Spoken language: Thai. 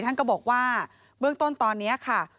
ท่านก็บอกว่าเบื้องต้นตอนนี้ค่ะ